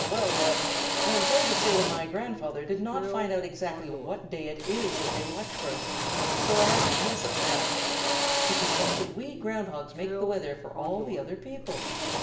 "Ahem! Well er! I am sorry to say that my grandfather did not find out exactly what day it is that they watch for us, so I have to guess at that. But to think that we Ground Hogs make the weather for all the other people!